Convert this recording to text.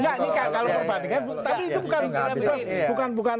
ya ini kalau berbanding kan tapi itu bukan